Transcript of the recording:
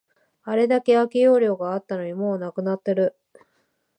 あれだけ空き容量があったのに、もうなくなっている